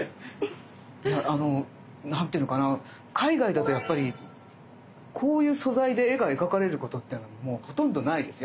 あの何ていうのかな海外だとやっぱりこういう素材で絵が描かれることっていうのはもうほとんどないです。